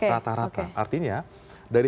rata rata artinya dari